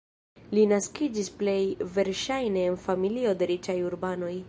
Li naskiĝis plej verŝajne en familio de riĉaj urbanoj.